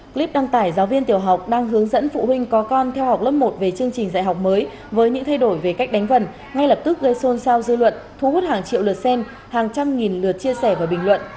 clip đăng tải giáo viên tiểu học đang hướng dẫn phụ huynh có con theo học lớp một về chương trình dạy học mới với những thay đổi về cách đánh vần ngay lập tức gây xôn xao dư luận thu hút hàng triệu lượt xem hàng trăm nghìn lượt chia sẻ và bình luận